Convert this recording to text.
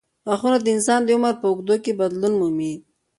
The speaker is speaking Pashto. غاښونه د انسان د عمر په اوږدو کې بدلون مومي.